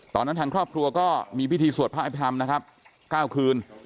ทางครอบครัวก็มีพิธีสวดพระอภิษฐรรมนะครับ๙คืน